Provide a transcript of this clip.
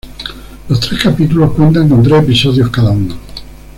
Los tres capítulos cuentan con tres episodios cada uno.